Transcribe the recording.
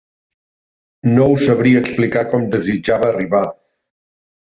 No us sabria explicar com desitjava arribar